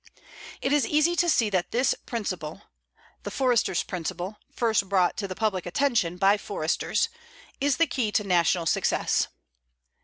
It is easy to see that this principle (the Forester's principle, first brought to public attention by Foresters) is the key to national success.